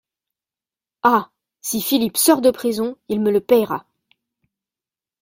Ah ! si Philippe sort de prison, il me le payera.